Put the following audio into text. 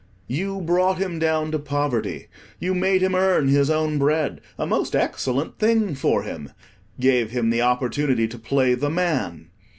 You brought him down to poverty; you made him earn his own bread—a most excellent thing for him; gave him the opportunity to play the man.